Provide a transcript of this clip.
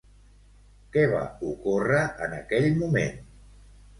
Què va ocórrer en aquell moment?